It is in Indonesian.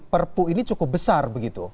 perpu ini cukup besar begitu